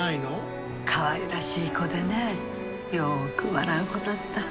かわいらしい子でねよく笑う子だった。